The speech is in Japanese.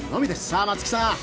さあ松木さん